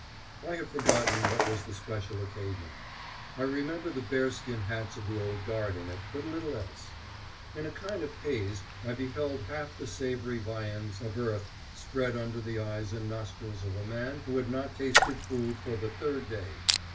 I have forgotten what was the special occasion. I remember the bearskin hats of the Old Guard in it, but little else. In a kind of haze, I beheld half the savory viands of earth spread under the eyes and nostrils of a man who had not tasted food for the third day.